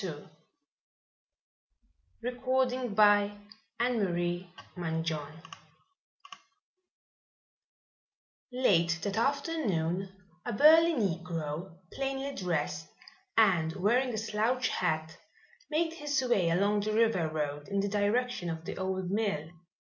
CHAPTER XXII AN UNDERGROUND MYSTERY Late that afternoon a burly negro, plainly dressed and wearing a slouch hat, made his way along the river road in the direction of the old mill.